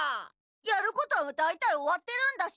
やることは大体終わってるんだし。